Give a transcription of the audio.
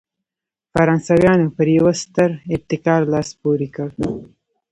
فرانسویانو پر یوه ستر ابتکار لاس پورې کړ.